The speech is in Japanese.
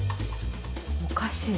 おかしい